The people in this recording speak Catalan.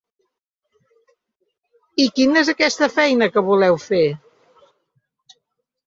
I quina és aquesta feina que voleu fer?